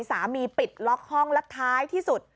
สามีปิดล็อคห้องแล้วท้ายที่สุด